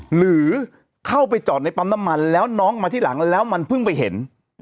หรือเข้าไปจอดในปั๊มน้ำมันแล้วน้องมาที่หลังแล้วมันเพิ่งไปเห็น